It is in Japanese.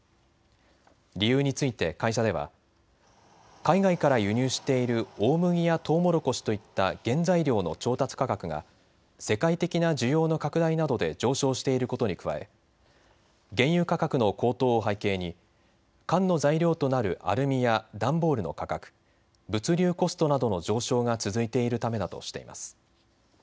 理由について会社では海外から輸入している大麦やとうもろこしといった原材料の調達価格が世界的な需要の拡大などで上昇していることに加え原油価格の高騰を背景に缶の材料となるアルミや段ボールの価格、物流コストなどの上昇が続いているためだとしています。